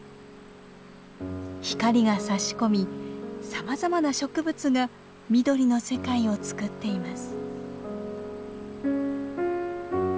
光がさし込みさまざまな植物が緑の世界を作っています。